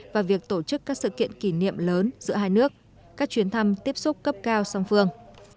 và việc tổ chức các sự kiện kỷ niệm lớn giữa hai nước các chuyến thăm tiếp xúc cấp cao song phương